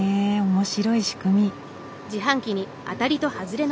面白い仕組み。